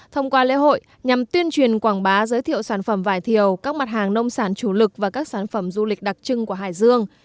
thông qua lễ hội nhằm tuyên truyền quảng bá giới thiệu sản phẩm vải thiều các mặt hàng nông sản chủ lực và các sản phẩm du lịch đặc trưng của hải dương